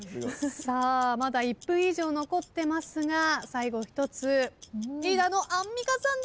まだ１分以上残ってますが最後１つリーダーのアンミカさんです。